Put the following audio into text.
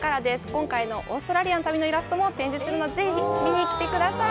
今回のオーストラリアの旅のイラストも展示するのでぜひ見に来てください。